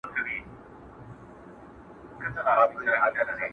ورکړې یې بوسه نه ده وعده یې د بوسې ده،